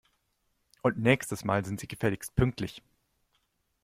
Und nächstes Mal sind Sie gefälligst pünktlich!